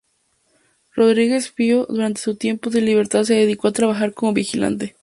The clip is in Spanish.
Rodrigues Filho durante su tiempo de libertad se dedicó a trabajar como vigilante.